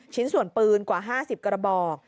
ชิ้นส่วนปืนกว่า๕๐กระบอก